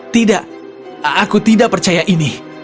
tidak aku tidak percaya ini